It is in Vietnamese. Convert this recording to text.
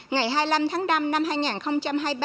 ngày hai mươi năm tháng năm năm hai nghìn hai mươi ba